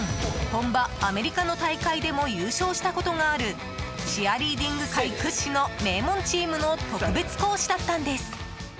本場アメリカの大会でも優勝したことがあるチアリーディング界屈指の名門チームの特別講師だったんです。